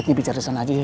ngomong disini aja